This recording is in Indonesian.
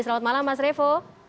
selamat malam mas revo